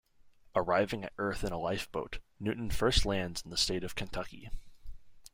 Arriving at Earth in a lifeboat, Newton first lands in the state of Kentucky.